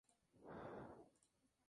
Al oeste-noroeste se encuentra Lyman.